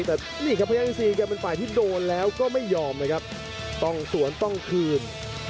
แต่นี่ครับพญาอินซีแกเป็นฝ่ายที่โดนแล้วก็ไม่ยอมนะครับต้องสวนต้องคืน